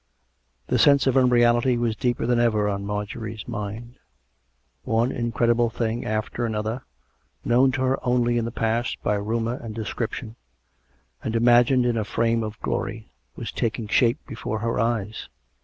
The sense of unreality was deeper than ever on Mar jorie's mind. One incredible thing after another, known to her only in the past by rumour and description, and imagined in a frame of glory, was taking shape before her eyes.